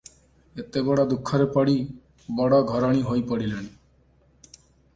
ଏବେ ବଡ଼ ଦୁଃଖରେ ପଡି ବଡ଼ ଘରଣୀ ହୋଇ ପଡ଼ିଲେଣି ।